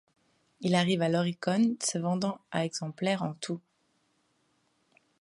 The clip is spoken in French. Il arrive à l'Oricon, se vendant à exemplaires en tout.